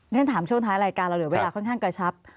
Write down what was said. ฉันถามช่วงท้ายรายการเราเหลือเวลาค่อนข้างกระชับ